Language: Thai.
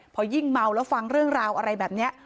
พอยิ่งเมาแล้วฟังเรื่องราวอะไรแบบนี้